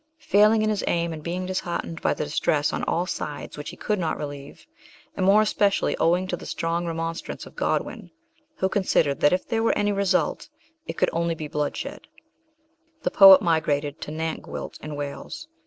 Failing in his aim, and being dis heartened by the distress on all sides which he could not relieve, and more especially owing to the strong remonstrance of Godwin, who considered that if there were any result it could only be bloodshed, the poet migrated to Nantgwilt in Wales.